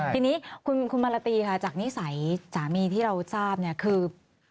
ทีนี้คุณมาลาตีค่ะจากนิสัยสามีที่เราทราบเนี่ยคือ